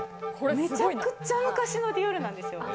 めちゃくちゃ昔のディオールなんですよ。